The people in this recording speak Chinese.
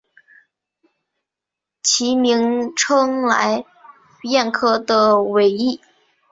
其名称来燕科的尾翼。